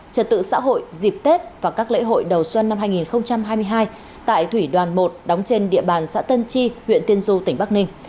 trật tự xã hội dịp tết và các lễ hội đầu xuân năm hai nghìn hai mươi hai tại thủy đoàn một đóng trên địa bàn xã tân chi huyện tiên du tỉnh bắc ninh